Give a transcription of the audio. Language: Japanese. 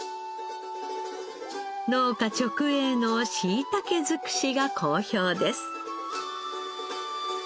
農家直営のしいたけ尽くしが好評です。